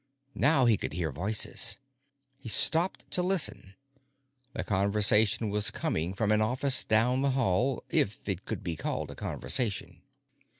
Now he could hear voices. He stopped to listen. The conversation was coming from an office down the hall if it could be called a conversation.